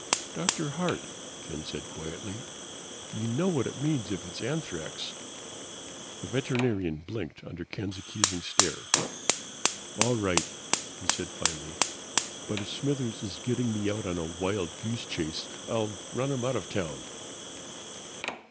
"Dr. Hart," Ken said quietly. "You know what it means if it is anthrax." The veterinarian blinked under Ken's accusing stare. "All right," he said finally. "But if Smithers is getting me out on a wild goose chase I'll run him out of town!"